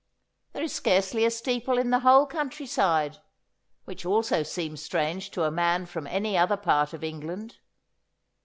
There is scarcely a steeple in the whole country side, which also seems strange to a man from any other part of England.